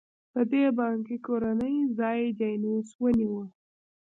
په دې بانکي کورنۍ ځای جینوس ونیوه.